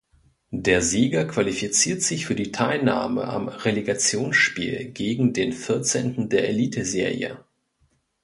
Der Sieger qualifiziert sich für die Teilnahme am Relegationsspiel gegen den Vierzehnten der Eliteserie.